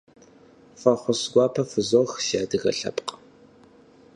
Фӏэхъус гуапэ фызох, си адыгэ лъэпкъ!